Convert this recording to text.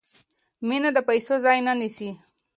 مینه د پیسو ځای نه نیسي.